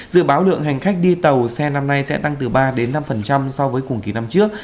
dự báo lượng hành khách đi tàu xe năm nay sẽ tăng từ ba năm so với cùng kỳ năm trước